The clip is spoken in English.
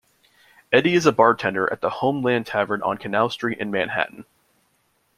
Eddie is a bartender at the Homeland Tavern on Canal Street in Manhattan.